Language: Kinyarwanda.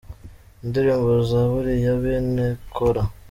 Indirimbo. Zaburi ya bene Kōra.